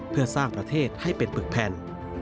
เพื่อสร้างประเทศให้เป็นปึกแผ่น